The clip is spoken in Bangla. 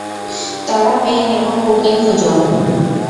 তরা পেন এবং কু কে খুঁজ।